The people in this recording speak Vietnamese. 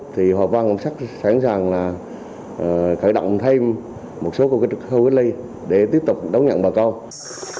thì hòa vang sẵn sàng là khởi động thêm một số khu vấn lý để tiếp tục đấu nhận bà con